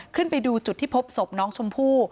ขึ้นไปดูจุดที่พบศพน้องชมพู่